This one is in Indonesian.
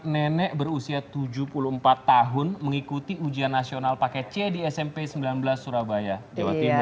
nenek berusia tujuh puluh empat tahun mengikuti ujian nasional paket c di smp sembilan belas surabaya jawa timur